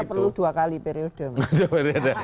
setuju makanya perlu dua kali periode